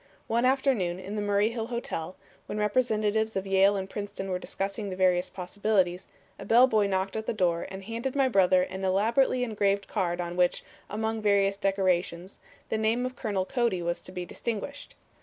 One afternoon in the Murray Hill Hotel, when representatives of Yale and Princeton were discussing the various possibilities, a bellboy knocked at the door and handed my brother an elaborately engraved card on which, among various decorations, the name of Colonel Cody was to be distinguished.